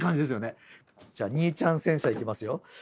じゃあ「にいちゃん戦車」いきますよ。